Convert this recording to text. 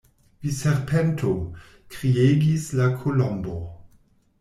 "Vi serpento!" kriegis la Kolombo.